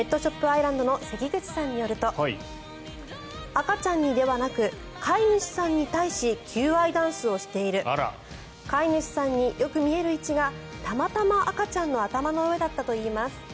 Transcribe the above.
アイランドの関口さんによると赤ちゃんにではなく飼い主さんに対し求愛ダンスをしている飼い主さんによく見える位置がたまたま赤ちゃんの頭の上だったといいます。